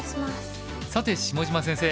さて下島先生